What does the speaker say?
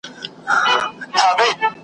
خو دوی بختور دي